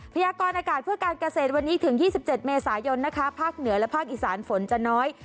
ยากรอากาศเพื่อการเกษตรวันนี้ถึง๒๗เมษายนนะคะภาคเหนือและภาคอีสานฝนจะน้อย